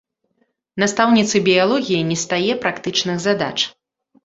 Настаўніцы біялогіі не стае практычных задач.